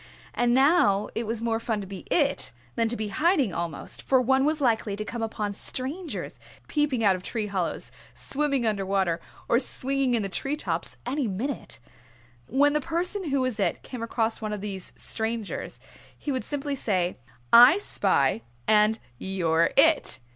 And now it was more fun to be "It" than to be hiding almost, for one was likely to come upon strangers peeping out of tree hollows, swimming under water, or swinging in the tree tops, any minute. When the person who was "It" came across one of these strangers he would simply say, "I spy, and you're It."